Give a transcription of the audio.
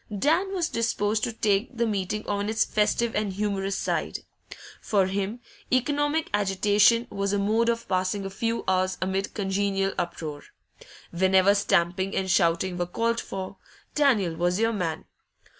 Dan was disposed to take the meeting on its festive and humorous side; for him, economic agitation was a mode of passing a few hours amid congenial uproar. Whenever stamping and shouting were called for, Daniel was your man.